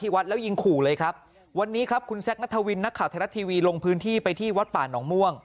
วันนี้ครับคุณแซคณธวินนักข่าวไทยรัฐทีวีลงพื้นที่ไปที่วัดป่านองค์ม่วง